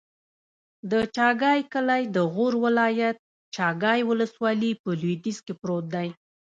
د چاګای کلی د غور ولایت، چاګای ولسوالي په لویدیځ کې پروت دی.